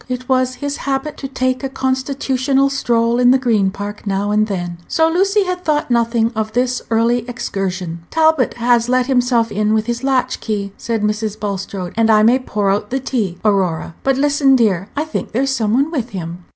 It was his habit to take a constitutional stroll in the Green Park now and then, so Lucy had thought nothing of this early excursion. "Talbot has let himself in with his latchkey," said Mrs. Bulstrode, "and I may pour out the tea, Aurora. But listen, dear; I think there's some one with him."